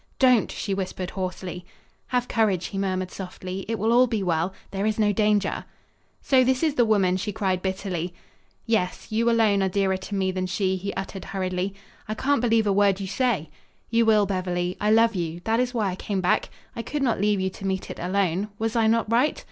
"Don't!" she whispered hoarsely. "Have courage," he murmured softly. "It will all be well. There is no danger." "So this is the woman!" she cried bitterly. "Yes. You alone are dearer to me than she," he uttered hurriedly. "I can't believe a word you say." "You will, Beverly. I love you. That is why I came back. I could not leave you to meet it alone. Was I not right?